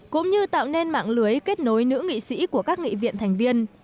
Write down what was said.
cũng như tạo nên mạng lưới kết nối nữ nghị sĩ của các nghị viện thành viên